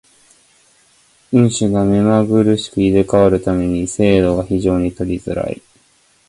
運手が目まぐるしく入れ替わる為に精度が非常に取りづらい。